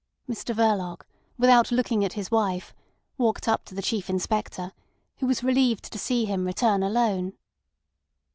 Mr Verloc, without looking at his wife, walked up to the Chief Inspector, who was relieved to see him return alone.